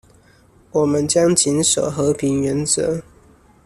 我們將謹守和平原則